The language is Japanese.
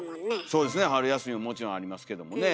そうですね春休みももちろんありますけどもね。